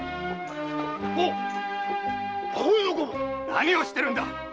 何をしてるんだ！